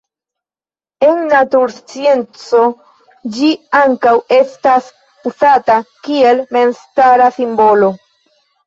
En naturscienco ĝi ankaŭ estas uzata kiel memstara simbolo.